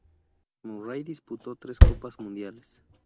Murray disputó tres Copas Mundiales.